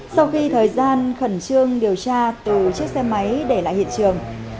sau khi thời gian khẩn trương điều tra từ chiếc xe máy để lại hiện trường